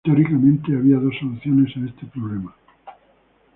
Teóricamente había dos soluciones a este problema.